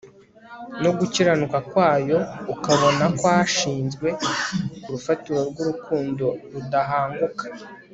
no gukiranuka kwayo ukabona kw ashinzwe ku rufatiro rwurukundo rudahanguka